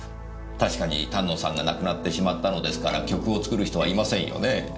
確かに丹野さんが亡くなってしまったのですから曲を作る人はいませんよねぇ。